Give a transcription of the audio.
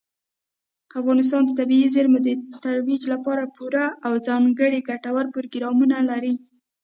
افغانستان د طبیعي زیرمې د ترویج لپاره پوره او ځانګړي ګټور پروګرامونه لري.